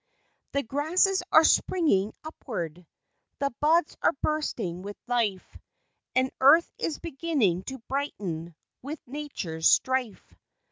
The grasses are springing upward, The buds are bursting with life, And earth is beginning to brighten, With natures strife.